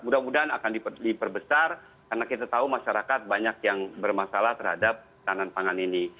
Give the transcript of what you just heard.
mudah mudahan akan diperbesar karena kita tahu masyarakat banyak yang bermasalah terhadap tahanan pangan ini